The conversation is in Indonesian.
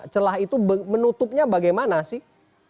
celah itu menutupnya bagaimana sih